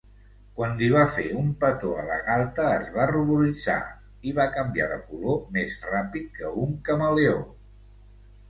Quan li va fer un petó a la galta, es va ruboritzar i va canviar de color més ràpid que un camaleó.